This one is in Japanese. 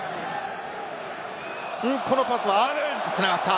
このパスは繋がった！